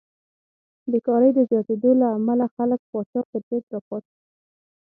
بېکارۍ د زیاتېدو له امله خلک پاچا پرضد راپاڅي.